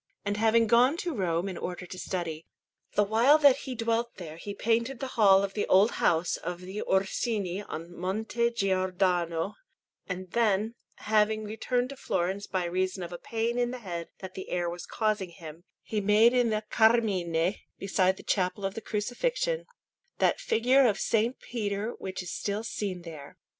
And having gone to Rome in order to study, the while that he dwelt there he painted the hall of the old house of the Orsini on Monte Giordano; and then, having returned to Florence by reason of a pain in the head that the air was causing him, he made in the Carmine, beside the Chapel of the Crucifixion, that figure of S. Peter which is still seen there.